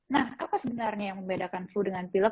nah apa sebenarnya yang membedakan flu dengan pilot